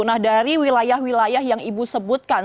nah dari wilayah wilayah yang ibu sebutkan